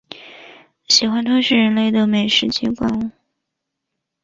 喜欢吞噬人类的美食界怪物。